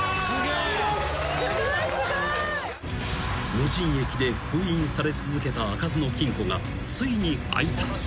［無人駅で封印され続けた開かずの金庫がついに開いた］